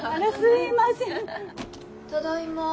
ただいま。